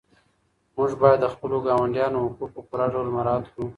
موږ باید د خپلو ګاونډیانو حقوق په پوره ډول مراعات کړو.